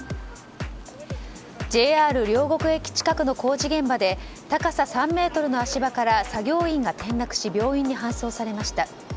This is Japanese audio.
ＪＲ両国駅近くの工事現場で高さ３ｍの足場から作業員が転落し病院に搬送されました。